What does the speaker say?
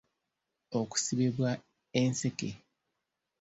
Okusibibwa enseke.